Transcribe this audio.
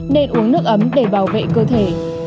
nên uống nước ấm để bảo vệ cơ thể